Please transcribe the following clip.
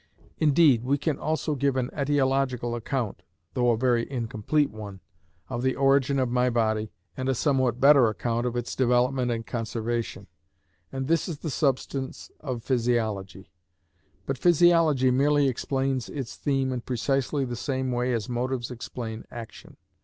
Indeed we can also give an etiological account, though a very incomplete one, of the origin of my body, and a somewhat better account of its development and conservation, and this is the substance of physiology. But physiology merely explains its theme in precisely the same way as motives explain action.